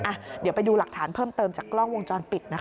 อ่ะเดี๋ยวไปดูหลักฐานเพิ่มเติมจากกล้องวงจรปิดนะคะ